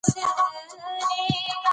د بریا راز په صداقت کې دی.